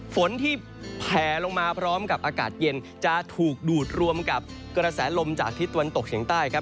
ฝนที่แผลลงมาพร้อมกับอากาศเย็นจะถูกดูดรวมกับกระแสลมจากทิศตะวันตกเฉียงใต้ครับ